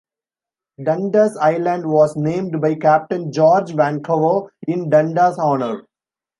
Dundas Island was named by Captain George Vancouver in Dundas' honour.